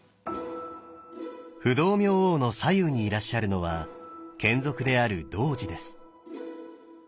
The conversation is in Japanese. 不動明王の左右にいらっしゃるのは眷属である童子です。